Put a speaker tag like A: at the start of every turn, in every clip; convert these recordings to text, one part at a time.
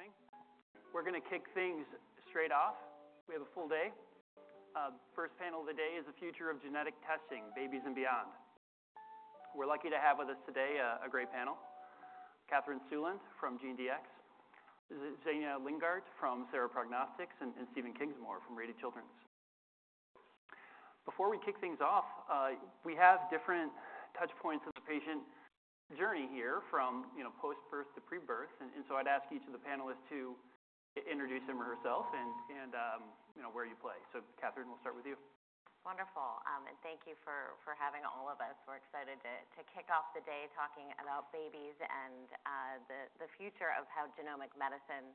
A: Thank you for coming. We're gonna kick things straight off. We have a full day. First panel of the day is the Future of Genetic Testing: Babies and Beyond. We're lucky to have with us today a great panel. Katherine Stueland from GeneDx, Zhenya Lindgardt from Sera Prognostics, and Stephen Kingsmore from Rady Children's. Before we kick things off, we have different touchpoints of the patient journey here from, you know, post-birth to pre-birth, and so I'd ask each of the panelists to introduce him or herself and, you know, where you play. So Katherine, we'll start with you.
B: Wonderful. And thank you for having all of us. We're excited to kick off the day talking about babies and the future of how genomic medicine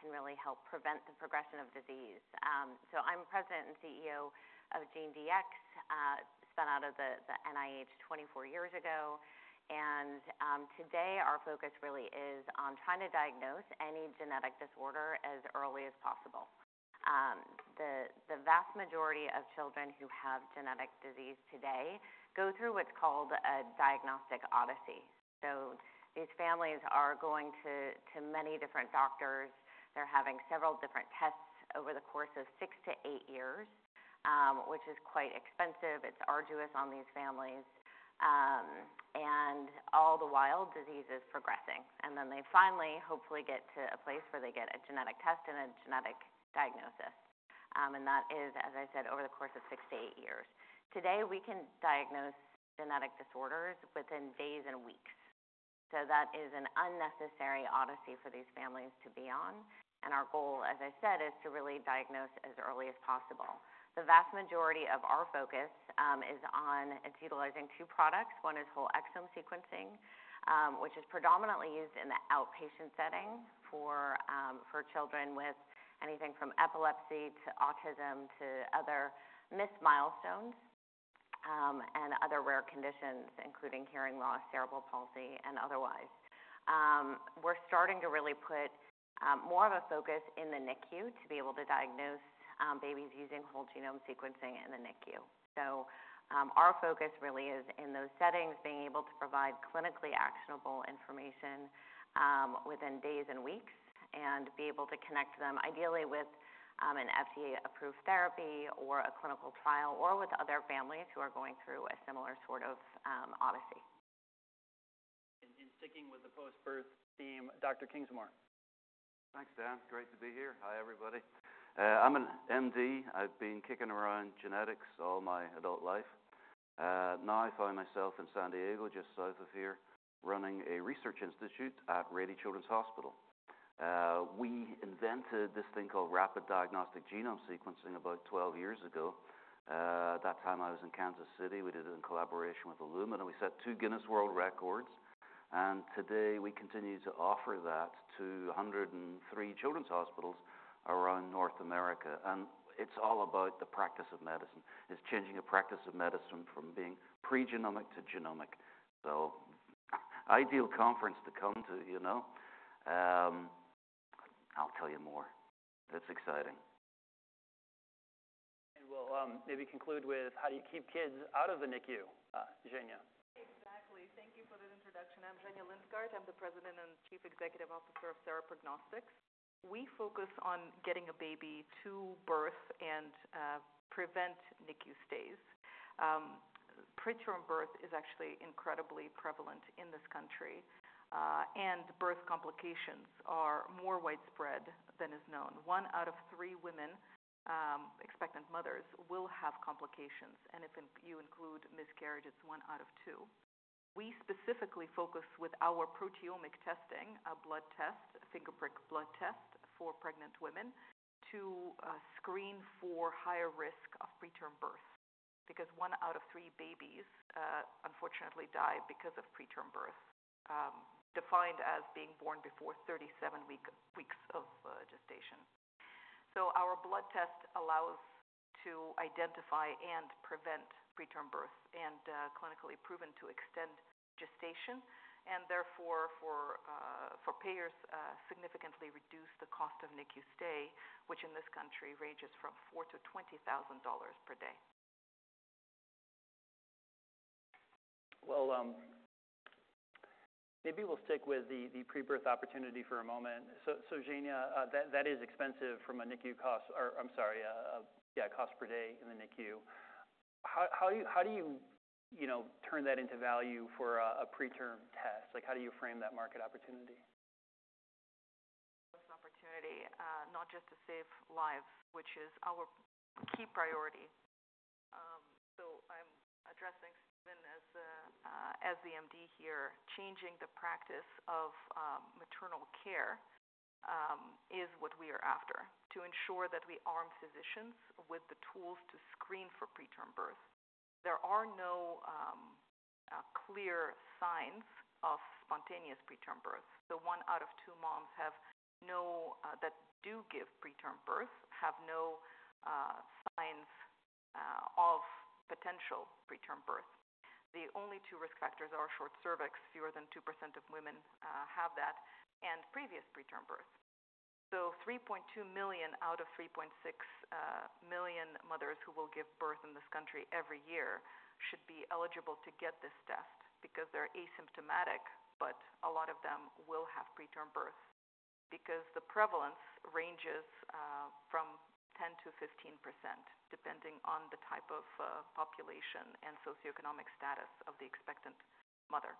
B: can really help prevent the progression of disease. So I'm President and CEO of GeneDx, spun out of the NIH 24 years ago. Today, our focus really is on trying to diagnose any genetic disorder as early as possible. The vast majority of children who have genetic disease today go through what's called a diagnostic odyssey. So these families are going to many different doctors. They're having several different tests over the course of 6-8 years, which is quite expensive. It's arduous on these families. And all the while, disease is progressing. Then they finally, hopefully get to a place where they get a genetic test and a genetic diagnosis. That is, as I said, over the course of 6-8 years. Today, we can diagnose genetic disorders within days and weeks. That is an unnecessary odyssey for these families to be on, and our goal, as I said, is to really diagnose as early as possible. The vast majority of our focus is on—it's utilizing 2 products. 1 is whole exome sequencing, which is predominantly used in the outpatient setting for children with anything from epilepsy to autism, to other missed milestones, and other rare conditions, including hearing loss, cerebral palsy, and otherwise. We're starting to really put more of a focus in the NICU to be able to diagnose babies using whole genome sequencing in the NICU. So, our focus really is in those settings, being able to provide clinically actionable information within days and weeks, and be able to connect them, ideally with an FDA-approved therapy or a clinical trial, or with other families who are going through a similar sort of odyssey.
A: Sticking with the post-birth theme, Dr. Kingsmore.
C: Thanks, Dan. Great to be here. Hi, everybody. I'm an MD. I've been kicking around genetics all my adult life. Now I find myself in San Diego, just south of here, running a research institute at Rady Children's Hospital. We invented this thing called rapid diagnostic genome sequencing about 12 years ago. At that time, I was in Kansas City. We did it in collaboration with Illumina, and we set 2 Guinness World Records, and today we continue to offer that to 103 children's hospitals around North America. And it's all about the practice of medicine. It's changing the practice of medicine from being pre-genomic to genomic. So ideal conference to come to, you know. I'll tell you more. It's exciting.
A: And we'll maybe conclude with how do you keep kids out of the NICU, Zhenya?
D: Exactly. Thank you for that introduction. I'm Zhenya Lindgardt. I'm the President and Chief Executive Officer of Sera Prognostics. We focus on getting a baby to birth and prevent NICU stays. Preterm birth is actually incredibly prevalent in this country, and birth complications are more widespread than is known. One out of three women, expectant mothers will have complications, and if you include miscarriage, it's one out of two. We specifically focus with our proteomic testing, a blood test, a finger prick blood test for pregnant women to screen for higher risk of preterm birth, because one out of three babies, unfortunately, die because of preterm birth, defined as being born before 37 weeks of gestation. So our blood test allows to identify and prevent preterm birth, and clinically proven to extend gestation, and therefore, for payers, significantly reduce the cost of NICU stay, which in this country ranges from $4-$20,000 per day.
A: Well, maybe we'll stick with the pre-birth opportunity for a moment. So, Zhenya, that is expensive from a NICU cost or... I'm sorry, yeah, cost per day in the NICU. How do you, you know, turn that into value for a preterm test? Like, how do you frame that market opportunity?
D: Opportunity, not just to save lives, which is our key priority. So I'm addressing Stephen as the, as the MD here. Changing the practice of, maternal care, is what we are after, to ensure that we arm physicians with the tools to screen for preterm birth. There are no clear signs of spontaneous preterm birth. So one out of two moms have no that do give preterm birth, have no signs of potential preterm birth. The only two risk factors are a short cervix, fewer than 2% of women have that, and previous preterm birth. So 3.2 million out of 3.6 million mothers who will give birth in this country every year should be eligible to get this test because they're asymptomatic, but a lot of them will have preterm birth. Because the prevalence ranges from 10%-15%, depending on the type of population and socioeconomic status of the expectant mother.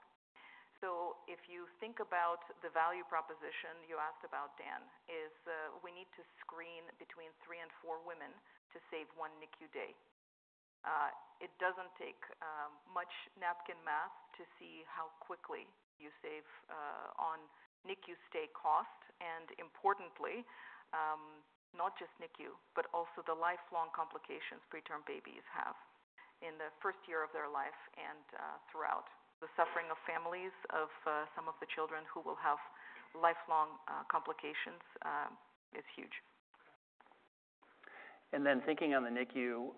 D: So if you think about the value proposition you asked about, Dan, is we need to screen between three and four women to save one NICU day. It doesn't take much napkin math to see how quickly you save on NICU stay cost, and importantly, not just NICU, but also the lifelong complications preterm babies have in the first year of their life and throughout. The suffering of families of some of the children who will have lifelong complications is huge.
A: Then thinking on the NICU,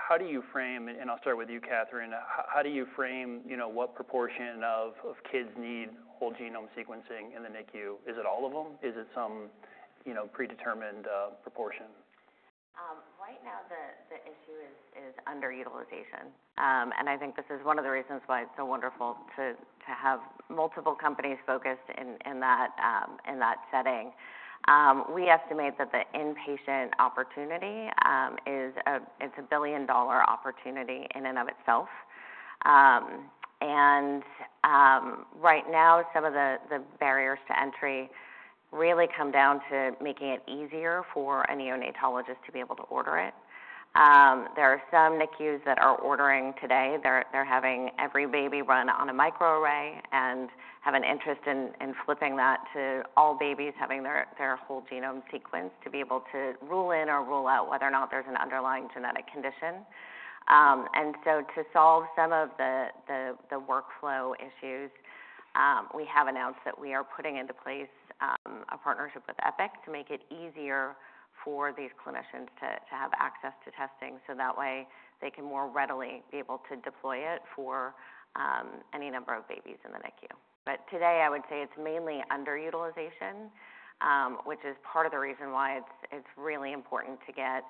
A: how do you frame— And I'll start with you, Katherine. How, how do you frame, you know, what proportion of, of kids need whole-genome sequencing in the NICU? Is it all of them? Is it some, you know, predetermined proportion?
B: Right now, the issue is underutilization. I think this is one of the reasons why it's so wonderful to have multiple companies focused in that setting. We estimate that the inpatient opportunity is a billion-dollar opportunity in and of itself. Right now, some of the barriers to entry really come down to making it easier for a neonatologist to be able to order it. There are some NICUs that are ordering today. They're having every baby run on a microarray and have an interest in flipping that to all babies having their whole genome sequenced to be able to rule in or rule out whether or not there's an underlying genetic condition. And so to solve some of the workflow issues, we have announced that we are putting into place a partnership with Epic to make it easier for these clinicians to have access to testing, so that way, they can more readily be able to deploy it for any number of babies in the NICU. But today, I would say it's mainly underutilization, which is part of the reason why it's really important to get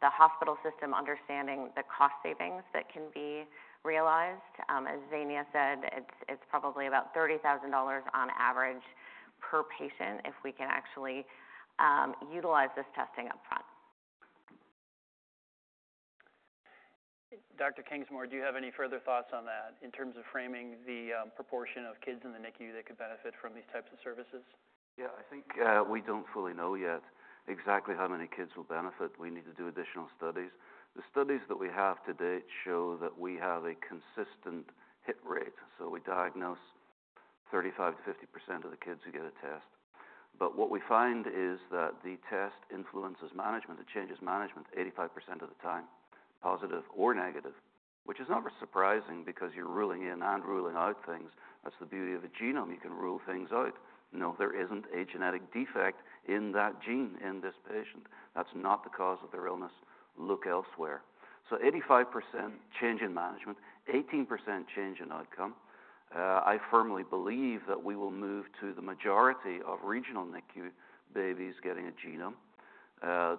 B: the hospital system understanding the cost savings that can be realized. As Zhenya said, it's probably about $30,000 on average per patient if we can actually utilize this testing upfront.
A: Dr. Kingsmore, do you have any further thoughts on that in terms of framing the, proportion of kids in the NICU that could benefit from these types of services?
C: Yeah, I think, we don't fully know yet exactly how many kids will benefit. We need to do additional studies. The studies that we have to date show that we have a consistent hit rate, so we diagnose 35%-50% of the kids who get a test. But what we find is that the test influences management. It changes management 85% of the time, positive or negative, which is not very surprising because you're ruling in and ruling out things. That's the beauty of a genome. You can rule things out. No, there isn't a genetic defect in that gene, in this patient. That's not the cause of their illness. Look elsewhere. So 85% change in management, 18% change in outcome. I firmly believe that we will move to the majority of regional NICU babies getting a genome.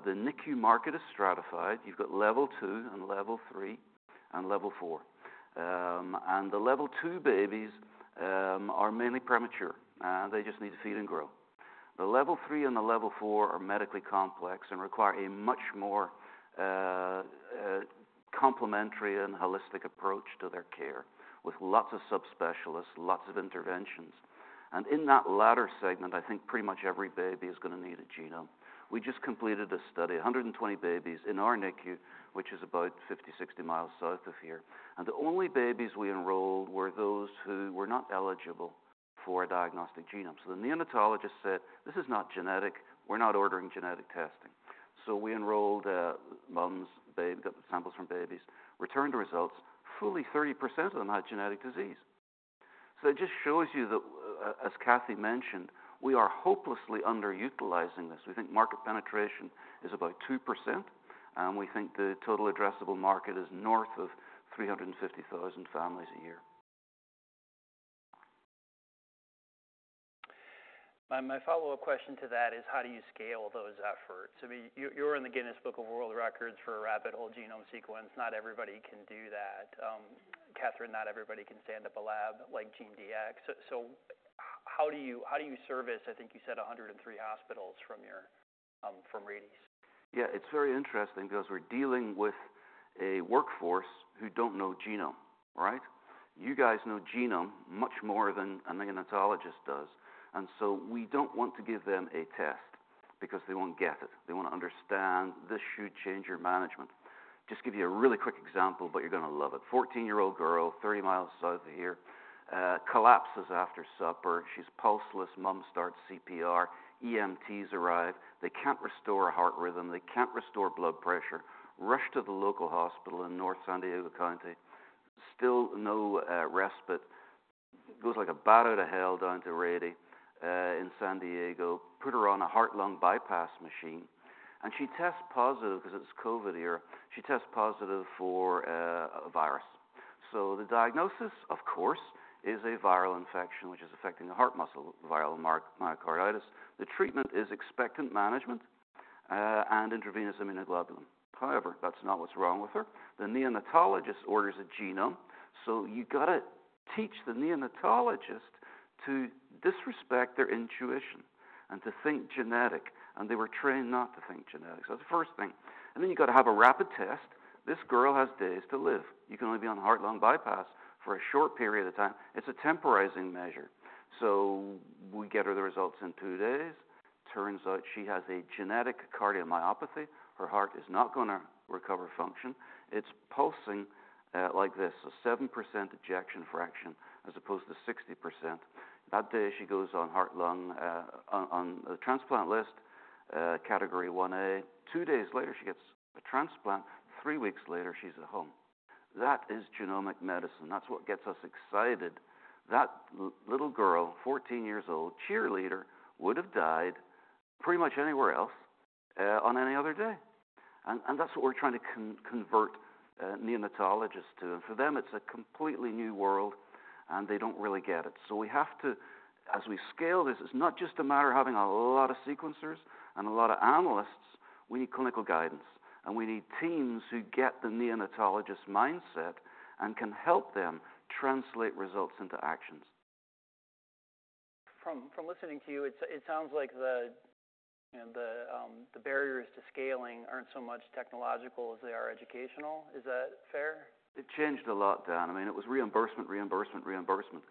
C: The NICU market is stratified. You've got level 2, level 3, and level 4. The level 2 babies are mainly premature, they just need to feed and grow. The level 3 and the level 4 are medically complex and require a much more complementary and holistic approach to their care, with lots of subspecialists, lots of interventions. And in that latter segment, I think pretty much every baby is gonna need a genome. We just completed a study, 120 babies in our NICU, which is about 50-60 miles south of here, and the only babies we enrolled were those who were not eligible for a diagnostic genome. So the neonatologist said, "This is not genetic. We're not ordering genetic testing." So we enrolled moms, got the samples from babies, returned the results; fully 30% of them had genetic disease. So it just shows you that, as Kathy mentioned, we are hopelessly underutilizing this. We think market penetration is about 2%, and we think the total addressable market is north of 350,000 families a year.
A: My follow-up question to that is: How do you scale those efforts? I mean, you're in the Guinness World Records for a rapid whole-genome sequence. Not everybody can do that. Catherine, not everybody can stand up a lab like GeneDx. So how do you service, I think you said 103 hospitals from your from Rady's?
C: Yeah, it's very interesting because we're dealing with a workforce who don't know genome, right? You guys know genome much more than a neonatologist does, and so we don't want to give them a test because they won't get it. They wanna understand this should change your management. Just give you a really quick example, but you're gonna love it. 14-year-old girl, 30 miles south of here, collapses after supper. She's pulseless. Mom starts CPR. EMTs arrive. They can't restore a heart rhythm. They can't restore blood pressure. Rushed to the local hospital in North San Diego County. Still, no respite. Goes like a bat out of hell down to Rady, in San Diego, put her on a heart-lung bypass machine, and she tests positive because it's COVID year. She tests positive for a virus. So the diagnosis, of course, is a viral infection, which is affecting the heart muscle, viral myocarditis. The treatment is expectant management and intravenous immunoglobulin. However, that's not what's wrong with her. The neonatologist orders a genome, so you gotta teach the neonatologist to disrespect their intuition and to think genetic, and they were trained not to think genetic. So that's the first thing. And then you've got to have a rapid test. This girl has days to live. You can only be on heart-lung bypass for a short period of time. It's a temporizing measure. So we get her the results in two days. Turns out she has a genetic cardiomyopathy. Her heart is not gonna recover function. It's pulsing like this, a 7% ejection fraction, as opposed to 60%. That day, she goes on heart-lung on the transplant list, category 1-A. 2 days later, she gets a transplant. 3 weeks later, she's at home. That is genomic medicine. That's what gets us excited. That little girl, 14 years old, cheerleader, would have died pretty much anywhere else on any other day. And that's what we're trying to convert neonatologists to. And for them, it's a completely new world, and they don't really get it. So we have to as we scale this, it's not just a matter of having a lot of sequencers and a lot of analysts. We need clinical guidance, and we need teams who get the neonatologist mindset and can help them translate results into actions.
A: From listening to you, it sounds like the barriers to scaling aren't so much technological as they are educational. Is that fair?
C: It changed a lot, Dan. I mean, it was reimbursement, reimbursement, reimbursement.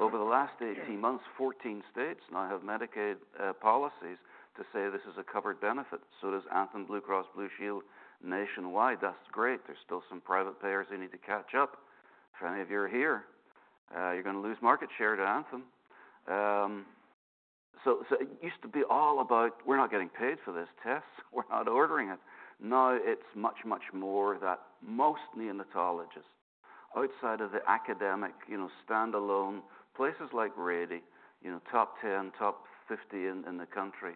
C: Over the last 18 months, 14 states now have Medicaid policies to say this is a covered benefit. So does Anthem Blue Cross Blue Shield nationwide. That's great. There's still some private payers who need to catch up. If any of you are here, you're gonna lose market share to Anthem. So it used to be all about, "We're not getting paid for this test; we're not ordering it." Now, it's much, much more that most neonatologists outside of the academic, you know, standalone places like Rady, you know, top 10, top 50 in the country,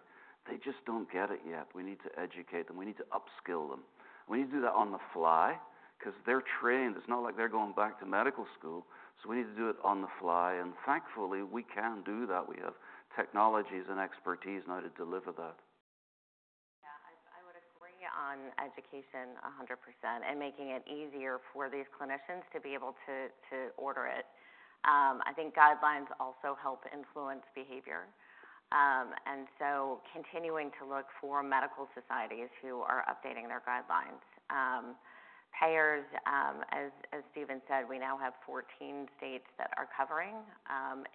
C: they just don't get it yet. We need to educate them. We need to upskill them. We need to do that on the fly, 'cause they're trained. It's not like they're going back to medical school, so we need to do it on the fly, and thankfully, we can do that. We have technologies and expertise now to deliver that.
B: Yeah, I would agree on education 100% and making it easier for these clinicians to be able to order it. I think guidelines also help influence behavior. And so continuing to look for medical societies who are updating their guidelines. Payers, as Steven said, we now have 14 states that are covering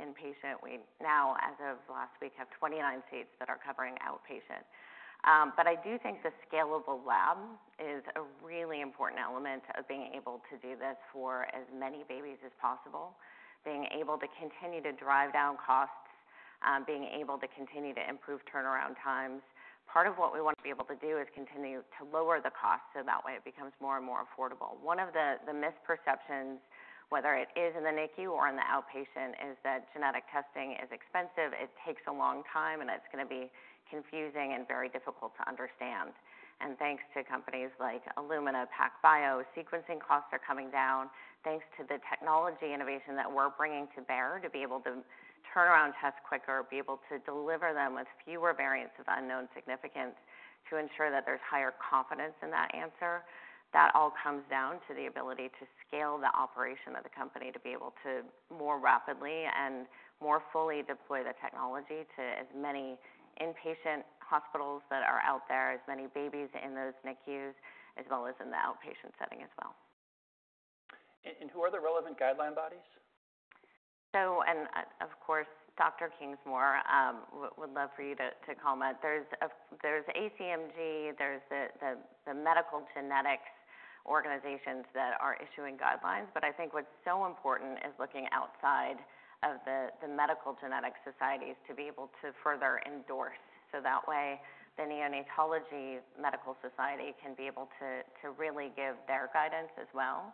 B: inpatient. We now, as of last week, have 29 states that are covering outpatient. But I do think the scalable lab is a really important element of being able to do this for as many babies as possible, being able to continue to drive down costs, being able to continue to improve turnaround times. Part of what we want to be able to do is continue to lower the cost, so that way, it becomes more and more affordable. One of the misperceptions, whether it is in the NICU or in the outpatient, is that genetic testing is expensive, it takes a long time, and it's gonna be confusing and very difficult to understand. Thanks to companies like Illumina, PacBio, sequencing costs are coming down. Thanks to the technology innovation that we're bringing to bear, to be able to turn around tests quicker, be able to deliver them with fewer variants of unknown significance, to ensure that there's higher confidence in that answer. That all comes down to the ability to scale the operation of the company, to be able to more rapidly and more fully deploy the technology to as many inpatient hospitals that are out there, as many babies in those NICUs, as well as in the outpatient setting as well.
A: Who are the relevant guideline bodies?
B: Of course, Dr. Kingsmore would love for you to comment. There's ACMG, there's the medical genetics organizations that are issuing guidelines. But I think what's so important is looking outside of the medical genetics societies to be able to further endorse. So that way, the Neonatology Medical Society can be able to really give their guidance as well.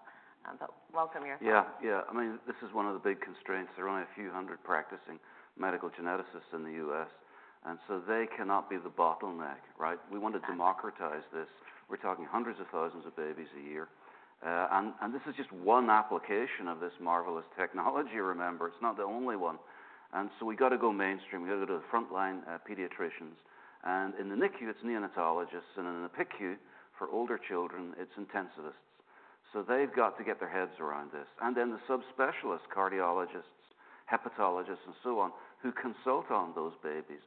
B: But welcome your thoughts.
C: Yeah, yeah. I mean, this is one of the big constraints. There are only a few hundred practicing medical geneticists in the U.S., and so they cannot be the bottleneck, right? We want to democratize this. We're talking hundreds of thousands of babies a year. And this is just one application of this marvelous technology, remember. It's not the only one. And so we've got to go mainstream. We've got to go to the frontline, pediatricians, and in the NICU, it's neonatologists, and in the PICU, for older children, it's intensivists. So they've got to get their heads around this. And then the subspecialists, cardiologists, hepatologists, and so on, who consult on those babies.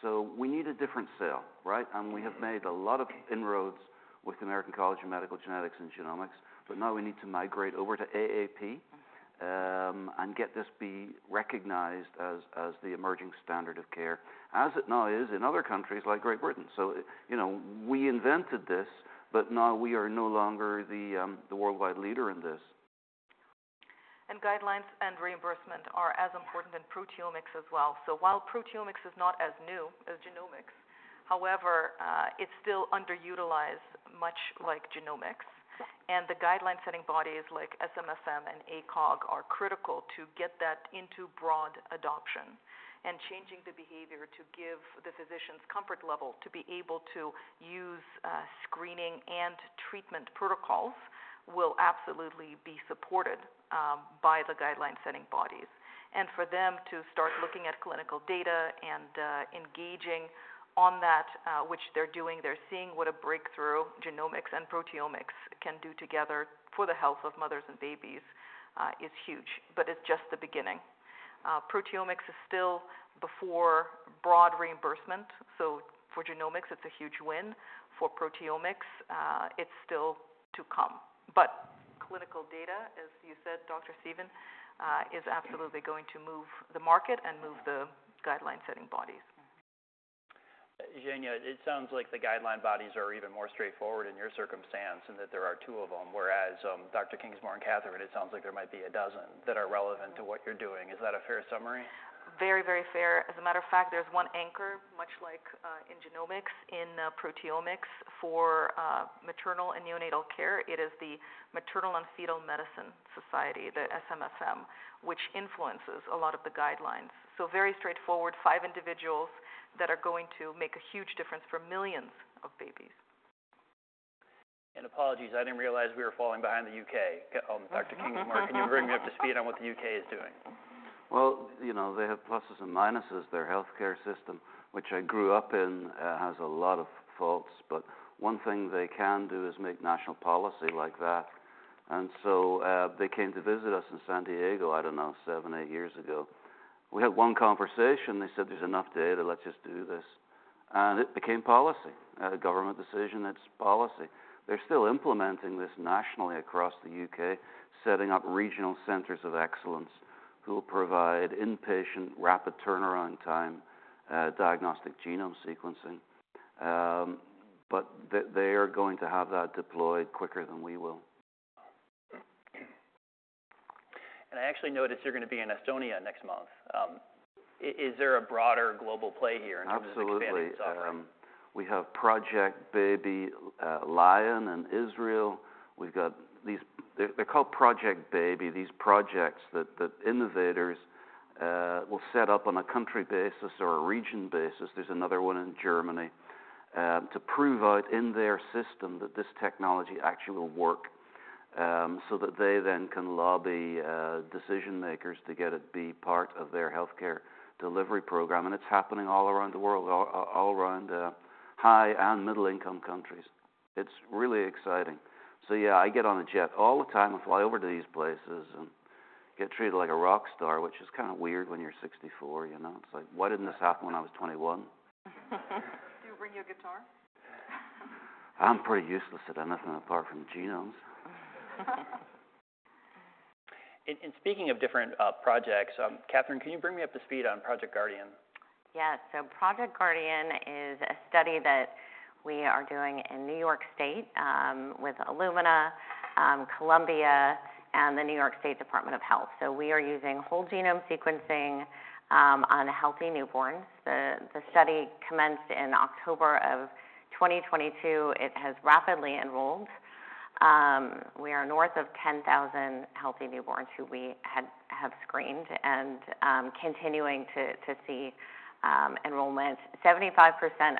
C: So we need a different sale, right?
A: Mm-hmm.
C: We have made a lot of inroads with the American College of Medical Genetics and Genomics, but now we need to migrate over to AAP, and get this be recognized as the emerging standard of care, as it now is in other countries like Great Britain. So you know, we invented this, but now we are no longer the worldwide leader in this.
D: Guidelines and reimbursement are as important in proteomics as well. So while proteomics is not as new as genomics, however, it's still underutilized, much like genomics. And the guideline-setting bodies like SMFM and ACOG are critical to get that into broad adoption. And changing the behavior to give the physicians comfort level, to be able to use, screening and treatment protocols will absolutely be supported, by the guideline-setting bodies. And for them to start looking at clinical data and, engaging on that, which they're doing, they're seeing what a breakthrough genomics and proteomics can do together for the health of mothers and babies, is huge, but it's just the beginning. Proteomics is still before broad reimbursement. So for genomics, it's a huge win. For proteomics, it's still to come. But clinical data, as you said, Dr. Stephen, is absolutely going to move the market and move the guideline-setting bodies.
A: Zhenya, it sounds like the guideline bodies are even more straightforward in your circumstance, and that there are two of them. Whereas, Dr. Kingsmore and Katherine, it sounds like there might be a dozen that are relevant to what you're doing. Is that a fair summary?
D: Very, very fair. As a matter of fact, there's one anchor, much like, in genomics, in proteomics for maternal and neonatal care. It is the Society for Maternal-Fetal Medicine, the SMFM, which influences a lot of the guidelines. So very straightforward, five individuals that are going to make a huge difference for millions of babies.
A: Apologies, I didn't realize we were falling behind the U.K. Dr. Kingsmore, can you bring me up to speed on what the U.K. is doing?
C: Well, you know, they have pluses and minuses. Their healthcare system, which I grew up in, has a lot of faults, but one thing they can do is make national policy like that. And so, they came to visit us in San Diego, I don't know, 7, 8 years ago. We had one conversation. They said, "There's enough data, let's just do this." And it became policy, a government decision, its policy. They're still implementing this nationally across the U.K., setting up regional centers of excellence, who will provide inpatient, rapid turnaround time, diagnostic genome sequencing. But they, they are going to have that deployed quicker than we will.
A: I actually noticed you're gonna be in Estonia next month. Is there a broader global play here in terms of expanding this offering?
C: Absolutely. We have Project Baby Lion in Israel. We've got these. They're called Project Baby, these projects that innovators will set up on a country basis or a region basis. There's another one in Germany to prove out in their system that this technology actually will work, so that they then can lobby decision makers to get it be part of their healthcare delivery program. And it's happening all around the world, all around high and middle-income countries. It's really exciting. So yeah, I get on a jet all the time and fly over to these places and get treated like a rock star, which is kind of weird when you're 64, you know? It's like, "Why didn't this happen when I was 21?
D: Do you bring your guitar?
C: I'm pretty useless at anything apart from genomes.
A: Speaking of different projects, Katherine, can you bring me up to speed on Project Guardian?
B: Yes. So Project Guardian is a study that we are doing in New York State, with Illumina, Columbia, and the New York State Department of Health. So we are using whole-genome sequencing on healthy newborns. The study commenced in October of 2022. It has rapidly enrolled. We are north of 10,000 healthy newborns who we have screened and continuing to see enrollment. 75%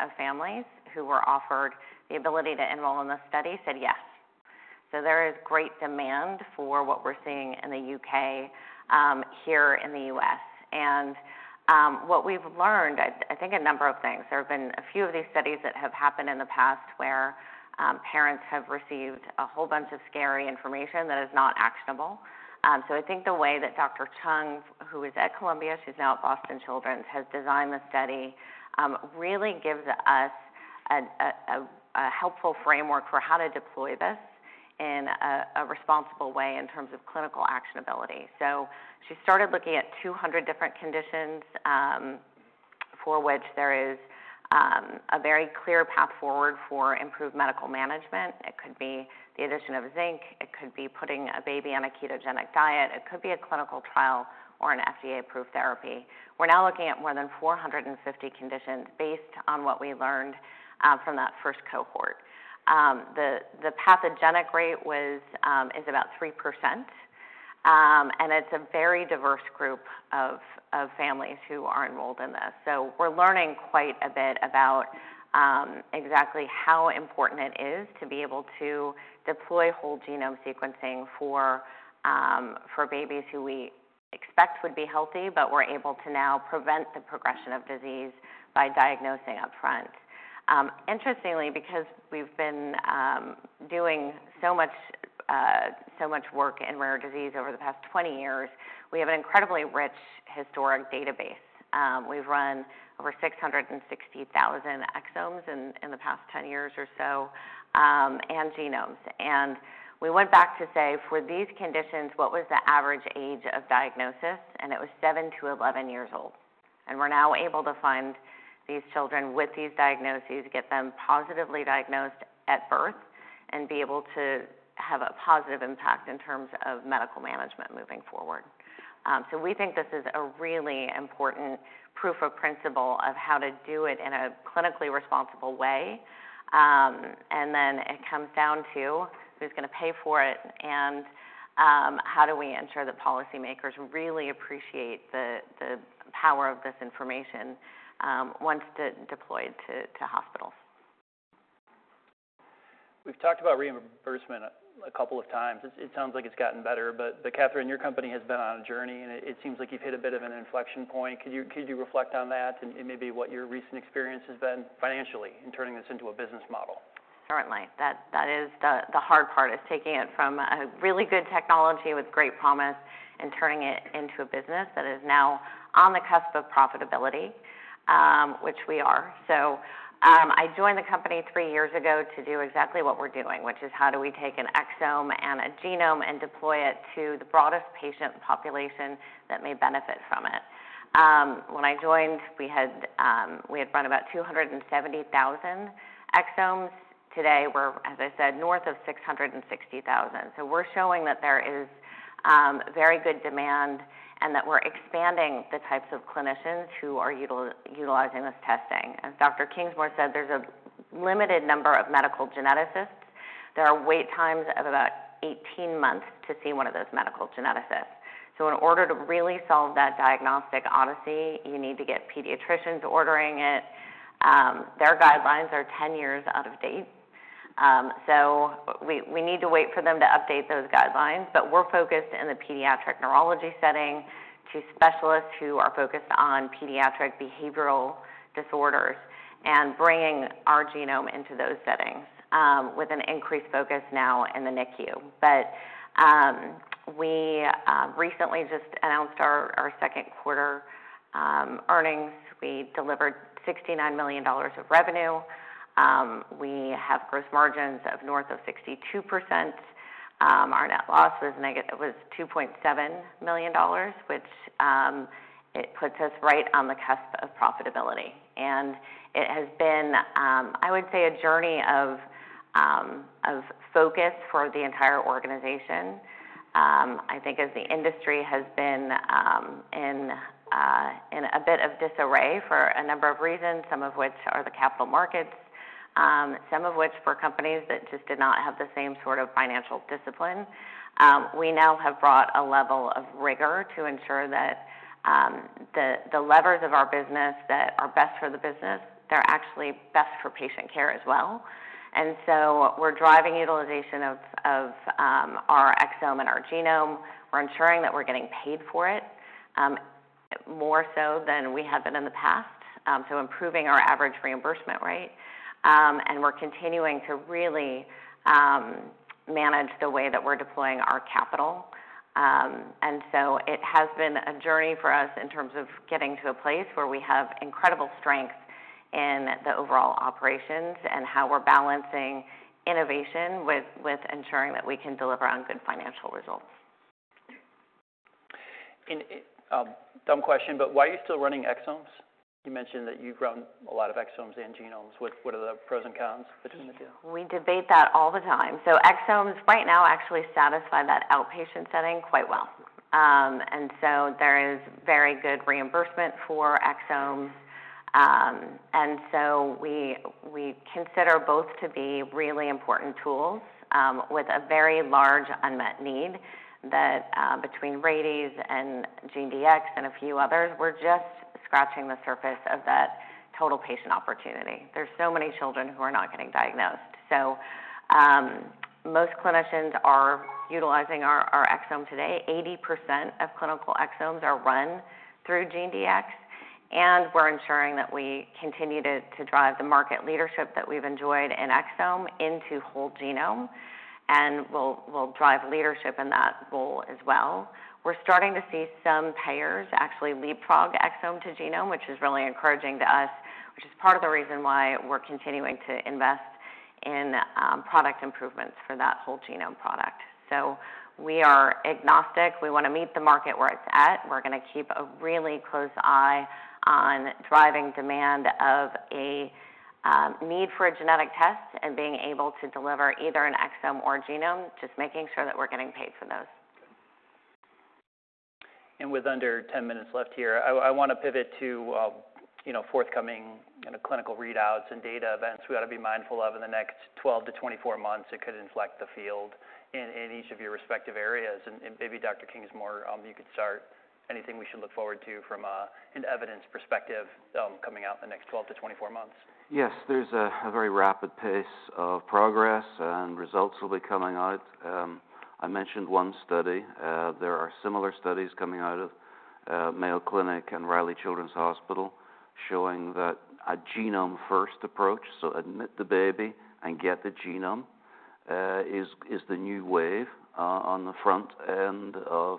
B: of families who were offered the ability to enroll in this study said yes. So there is great demand for what we're seeing in the U.K. here in the U.S. And what we've learned, I think a number of things. There have been a few of these studies that have happened in the past, where parents have received a whole bunch of scary information that is not actionable. So I think the way that Dr. Chung, who was at Columbia, she's now at Boston Children's, has designed the study, really gives us a helpful framework for how to deploy this in a responsible way in terms of clinical actionability. So she started looking at 200 different conditions, for which there is a very clear path forward for improved medical management. It could be the addition of zinc, it could be putting a baby on a ketogenic diet, it could be a clinical trial or an FDA-approved therapy. We're now looking at more than 450 conditions based on what we learned from that first cohort. The pathogenic rate was-- is about 3%. And it's a very diverse group of families who are enrolled in this. So we're learning quite a bit about exactly how important it is to be able to deploy whole genome sequencing for babies who we expect would be healthy, but we're able to now prevent the progression of disease by diagnosing upfront. Interestingly, because we've been doing so much so much work in rare disease over the past 20 years, we have an incredibly rich historic database. We've run over 660,000 exomes in the past 10 years or so, and genomes. And we went back to say: For these conditions, what was the average age of diagnosis? And it was 7-11 years old. We're now able to find these children with these diagnoses, get them positively diagnosed at birth, and be able to have a positive impact in terms of medical management moving forward. So we think this is a really important proof of principle of how to do it in a clinically responsible way. And then it comes down to who's gonna pay for it, and how do we ensure the policymakers really appreciate the power of this information, once deployed to hospitals?
A: We've talked about reimbursement a couple of times. It sounds like it's gotten better, but Katherine, your company has been on a journey, and it seems like you've hit a bit of an inflection point. Could you reflect on that and maybe what your recent experience has been financially in turning this into a business model?
B: Certainly. That is the hard part, is taking it from a really good technology with great promise and turning it into a business that is now on the cusp of profitability, which we are. So, I joined the company three years ago to do exactly what we're doing, which is, how do we take an exome and a genome and deploy it to the broadest patient population that may benefit from it? When I joined, we had run about 270,000 exomes. Today, we're, as I said, north of 660,000. So we're showing that there is very good demand and that we're expanding the types of clinicians who are utilizing this testing. As Dr. Kingsmore said, there's a limited number of medical geneticists. There are wait times of about 18 months to see one of those medical geneticists. So in order to really solve that diagnostic odyssey, you need to get pediatricians ordering it. Their guidelines are 10 years out of date, so we need to wait for them to update those guidelines. But we're focused in the pediatric neurology setting to specialists who are focused on pediatric behavioral disorders and bringing our genome into those settings, with an increased focus now in the NICU. But we recently just announced our second quarter earnings. We delivered $69 million of revenue. We have gross margins of north of 62%. Our net loss was $2.7 million, which puts us right on the cusp of profitability. It has been, I would say, a journey of focus for the entire organization. I think as the industry has been in a bit of disarray for a number of reasons, some of which are the capital markets, some of which were companies that just did not have the same sort of financial discipline. We now have brought a level of rigor to ensure that the levers of our business that are best for the business, they're actually best for patient care as well. And so we're driving utilization of our exome and our genome. We're ensuring that we're getting paid for it, more so than we have been in the past, so improving our average reimbursement rate. And we're continuing to really manage the way that we're deploying our capital. It has been a journey for us in terms of getting to a place where we have incredible strength in the overall operations and how we're balancing innovation with ensuring that we can deliver on good financial results.
A: Dumb question, but why are you still running exomes? You mentioned that you've run a lot of exomes and genomes. What are the pros and cons between the two?
B: We debate that all the time. So exomes right now actually satisfy that outpatient setting quite well. And so there is very good reimbursement for exomes. And so we, we consider both to be really important tools, with a very large unmet need that, between Rady's and GeneDx and a few others, we're just scratching the surface of that total patient opportunity. There's so many children who are not getting diagnosed. So, most clinicians are utilizing our exome today. 80% of clinical exomes are run through GeneDx, and we're ensuring that we continue to drive the market leadership that we've enjoyed in exome into whole genome, and we'll drive leadership in that role as well. We're starting to see some payers actually leapfrog exome to genome, which is really encouraging to us, which is part of the reason why we're continuing to invest in product improvements for that whole genome product. So we are agnostic. We wanna meet the market where it's at. We're gonna keep a really close eye on driving demand of a need for a genetic test and being able to deliver either an exome or genome, just making sure that we're getting paid for those.
A: With under 10 minutes left here, I wanna pivot to, you know, forthcoming kind of clinical readouts and data events we ought to be mindful of in the next 12-24 months that could inflect the field in each of your respective areas. And maybe Dr. Kingsmore, you could start. Anything we should look forward to from an evidence perspective coming out in the next 12-24 months?
C: Yes, there's a very rapid pace of progress, and results will be coming out. I mentioned one study. There are similar studies coming out of Mayo Clinic and Riley Children's Hospital, showing that a genome-first approach, so admit the baby and get the genome, is the new wave on the front end of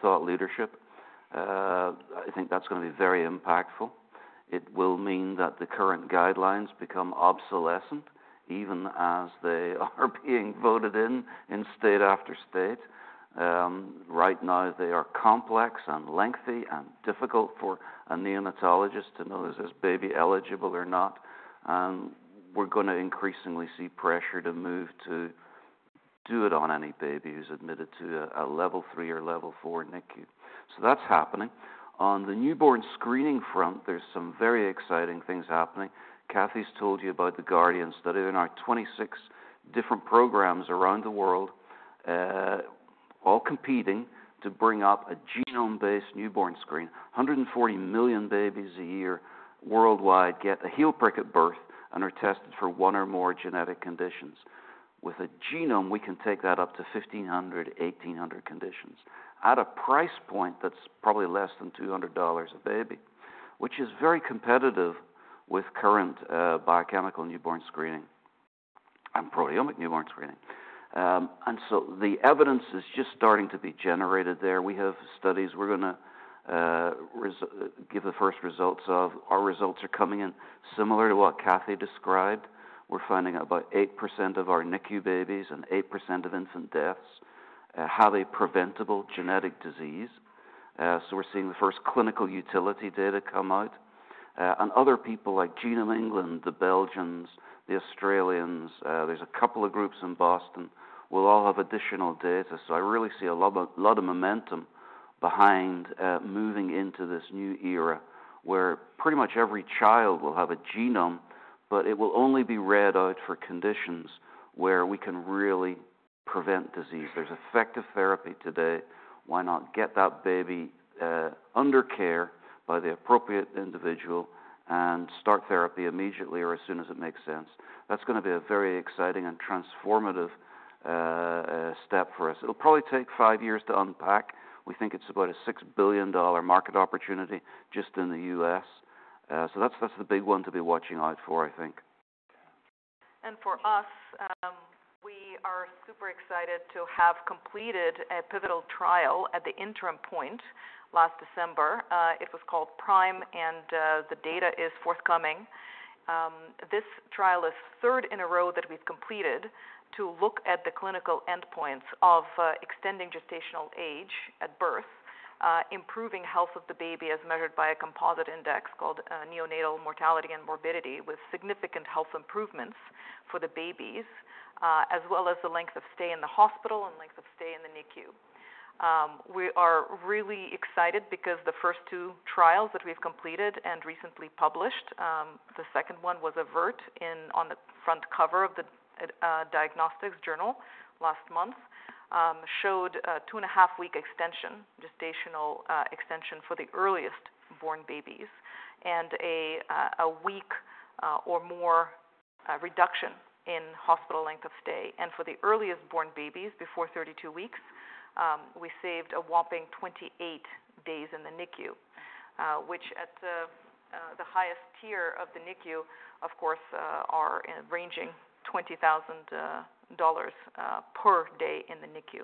C: thought leadership. I think that's gonna be very impactful. It will mean that the current guidelines become obsolescent, even as they are being voted in, in state after state. Right now, they are complex and lengthy and difficult for a neonatologist to know, "Is this baby eligible or not?" We're gonna increasingly see pressure to move to do it on any baby who's admitted to a level three or level four NICU. So that's happening. On the newborn screening front, there's some very exciting things happening. Kathy's told you about the Guardian study. There are 26 different programs around the world all competing to bring up a genome-based newborn screen. 140 million babies a year worldwide get a heel prick at birth and are tested for one or more genetic conditions. With a genome, we can take that up to 1,500, 1,800 conditions, at a price point that's probably less than $200 a baby, which is very competitive with current biochemical newborn screening and proteomic newborn screening. And so the evidence is just starting to be generated there. We have studies we're gonna give the first results of. Our results are coming in similar to what Kathy described. We're finding about 8% of our NICU babies and 8% of infant deaths have a preventable genetic disease. So we're seeing the first clinical utility data come out. And other people like Genomics England, the Belgians, the Australians, there's a couple of groups in Boston, will all have additional data. So I really see a lot of, lot of momentum behind moving into this new era, where pretty much every child will have a genome, but it will only be read out for conditions where we can really prevent disease. There's effective therapy today. Why not get that baby under care by the appropriate individual and start therapy immediately or as soon as it makes sense? That's gonna be a very exciting and transformative step for us. It'll probably take five years to unpack. We think it's about a $6 billion market opportunity just in the U.S. So that's, that's the big one to be watching out for, I think.
D: For us, we are super excited to have completed a pivotal trial at the interim point last December. It was called PRIME, and the data is forthcoming. This trial is third in a row that we've completed to look at the clinical endpoints of extending gestational age at birth, improving health of the baby, as measured by a composite index called neonatal mortality and morbidity, with significant health improvements for the babies, as well as the length of stay in the hospital and length of stay in the NICU. We are really excited because the first two trials that we've completed and recently published, the second one was AVERT on the front cover of the Diagnostics journal last month, showed a 2.5-week extension, gestational extension for the earliest born babies and a week or more reduction in hospital length of stay. And for the earliest born babies, before 32 weeks, we saved a whopping 28 days in the NICU, which at the highest tier of the NICU, of course, are ranging $20,000 per day in the NICU.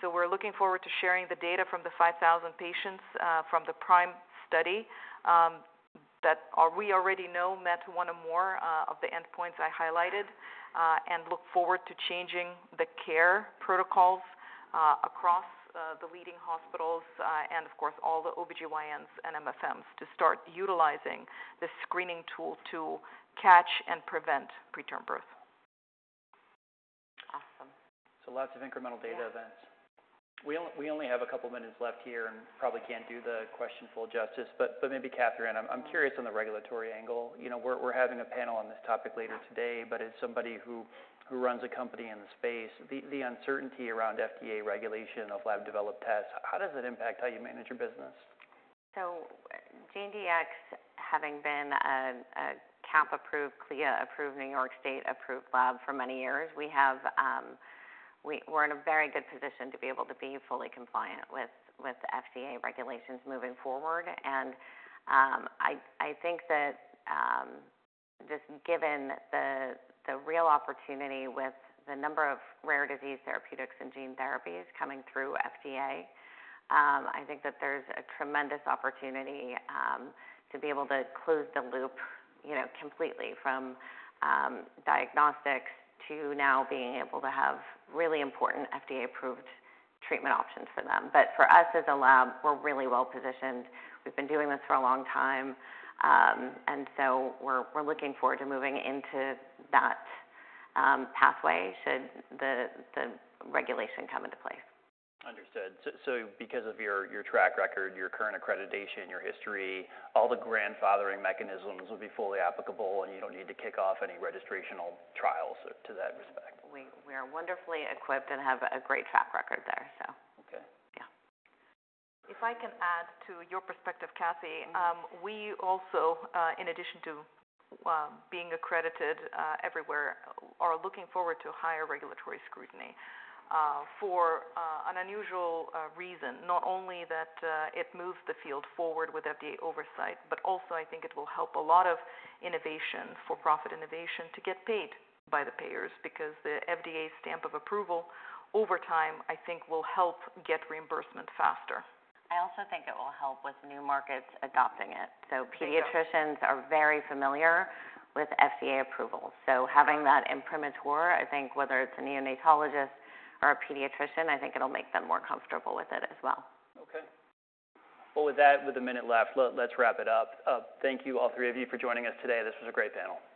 D: So we're looking forward to sharing the data from the 5,000 patients from the PRIME study that we already know met one or more of the endpoints I highlighted and look forward to changing the care protocols across the leading hospitals and of course all the OBGYNs and MFMs to start utilizing this screening tool to catch and prevent preterm birth.
B: Awesome.
A: Lots of incremental data events.
B: Yeah.
A: We only have a couple minutes left here and probably can't do the question full justice, but maybe Katherine, I'm curious on the regulatory angle. You know, we're having a panel on this topic later today, but as somebody who runs a company in the space, the uncertainty around FDA regulation of lab-developed tests, how does it impact how you manage your business?
B: So GeneDx, having been a CAP-approved, CLIA-approved, New York State-approved lab for many years, we have, we're in a very good position to be able to be fully compliant with, with the FDA regulations moving forward. I think that, just given the, the real opportunity with the number of rare disease therapeutics and gene therapies coming through FDA, I think that there's a tremendous opportunity, to be able to close the loop, you know, completely from, diagnostics to now being able to have really important FDA-approved treatment options for them. But for us, as a lab, we're really well positioned. We've been doing this for a long time. And so we're, we're looking forward to moving into that, pathway should the, the regulation come into place.
A: Understood. So because of your track record, your current accreditation, your history, all the grandfathering mechanisms will be fully applicable, and you don't need to kick off any registrational trials to that respect?
B: We are wonderfully equipped and have a great track record there, so...
A: Okay.
B: Yeah.
D: If I can add to your perspective, Kathy. We also, in addition to being accredited everywhere, are looking forward to higher regulatory scrutiny for an unusual reason. Not only that, it moves the field forward with FDA oversight, but also I think it will help a lot of innovation, for-profit innovation, to get paid by the payers, because the FDA stamp of approval over time, I think, will help get reimbursement faster.
B: I also think it will help with new markets adopting it. Pediatricians are very familiar with FDA approval. Having that imprimatur, I think whether it's a neonatologist or a pediatrician, I think it'll make them more comfortable with it as well.
A: Okay. Well, with that, with a minute left, let's wrap it up. Thank you, all three of you, for joining us today. This was a great panel.
B: Thank you.